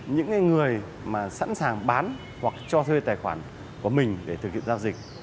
những người sẵn sàng bán hoặc cho thuê tài khoản của mình để thực hiện giao dịch